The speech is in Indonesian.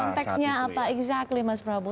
konteksnya apa exactly mas prabu